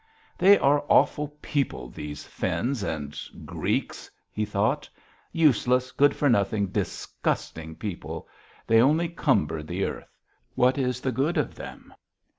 "They are awful people, these Finns and ... Greeks," he thought. "Useless, good for nothing, disgusting people. They only cumber the earth. What is the good of them?"